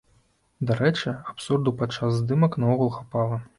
Дарэчы, абсурду падчас здымак наогул хапала.